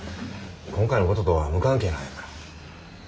今回のこととは無関係なんやから。